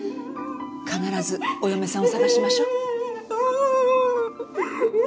必ずお嫁さんを捜しましょ。